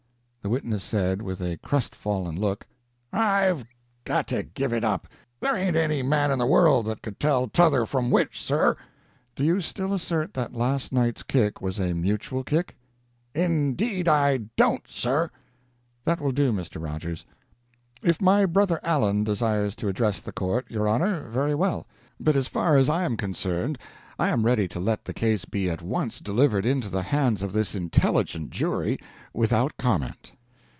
The witness said, with a crestfallen look: "I've got to give it up. There ain't any man in the world that could tell t'other from which, sir." "Do you still assert that last night's kick was a mutual kick?" "Indeed, I don't, sir." "That will do, Mr. Rogers. If my brother Allen desires to address the court, your honor, very well; but as far as I am concerned I am ready to let the case be at once delivered into the hands of this intelligent jury without comment."